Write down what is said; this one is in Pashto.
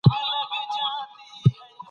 علومو یو ډول ګډ میتود درلود.